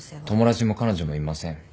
友達も彼女もいません。